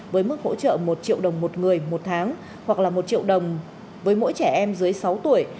với mức hỗ trợ một triệu đồng một người một tháng hoặc là một triệu đồng với mỗi trẻ em dưới sáu tuổi